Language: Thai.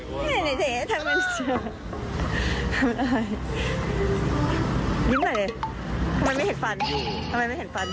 ไม่เห็นไอ้เจ๋ทำไมทำไมยิ้มอะไรเลยทำไมไม่เห็นฟัน